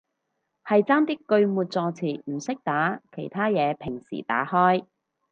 係差啲句末助詞唔識打，其他嘢平時打開